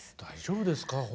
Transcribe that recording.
大丈夫ですか？